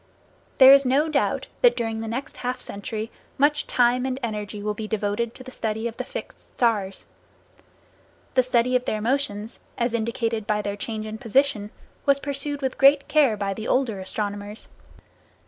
There is no doubt that, during the next half century, much time and energy will be devoted to the study of the fixed stars. The study of their motions as indicated by their change in position was pursued with great care by the older astronomers.